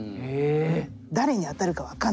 誰に当たるか分かんないなみたいな。